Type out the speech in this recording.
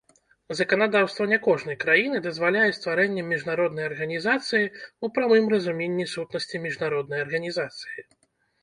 Заканадаўства не кожнай краіны дазваляе стварэнне міжнароднай арганізацыі ў прамым разуменні сутнасці міжнароднай арганізацыі.